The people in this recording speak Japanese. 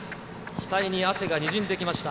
額に汗がにじんできました。